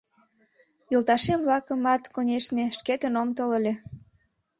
Йолташем-влакымат, конешне, шкетын ом тол гын.